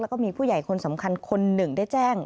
แล้วก็มีผู้ใหญ่คนสำคัญคนหนึ่งได้แจ้ง